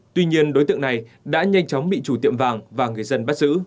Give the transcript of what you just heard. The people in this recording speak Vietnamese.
tuy nhiên đối tượng này không có tài sản